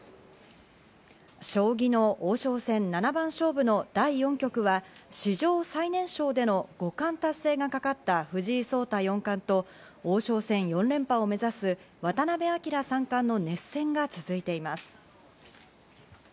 将棋の王将戦七番勝負の第４局が史上最年少での五冠達成がかかった藤井聡太四冠と王将戦４連覇を目指す渡辺明三冠の熱戦が続いています。